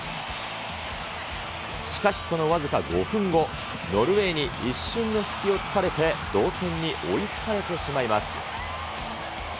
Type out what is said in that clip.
しかしその僅か５分後、ノルウェーに一瞬の隙をつかれて同点に追いつかれてしまいます。